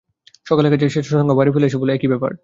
সকালের কাজ সেরে শশাঙ্ক বাড়ি ফিরে এসে বললে, এ কী ব্যাপার।